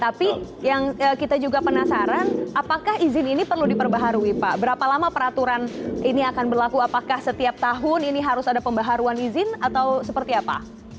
tapi yang kita juga penasaran apakah izin ini perlu diperbaharui pak berapa lama peraturan ini akan berlaku apakah setiap tahun ini harus ada pembaharuan izin atau seperti apa